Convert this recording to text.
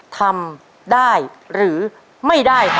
ทำได้หรือไม่ได้ครับ